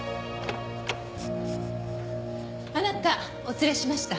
あなたお連れしました。